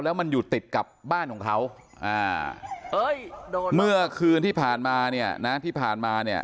แล้วมันอยู่ติดกับบ้านของเขาเมื่อคืนที่ผ่านมาเนี่ยนะที่ผ่านมาเนี่ย